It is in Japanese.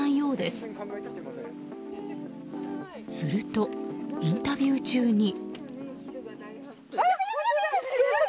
すると、インタビュー中に。